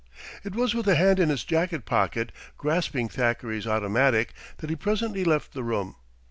It was with a hand in his jacket pocket, grasping Thackeray's automatic, that he presently left the room.